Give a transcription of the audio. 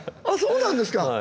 あそうなんですか。